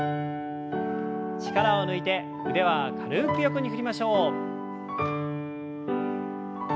力を抜いて腕は軽く横に振りましょう。